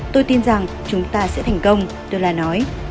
tôi tin rằng chúng ta sẽ thành công dolat nói